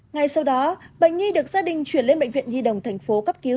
ngay sau đó bệnh nhi được gia đình chuyển lên bệnh viện di đồng tp hcm cấp cứu